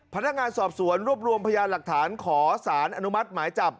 พนักงานสอบสวนรวบรวมพยานหลักฐานขอสารอนุมัติหมายจับ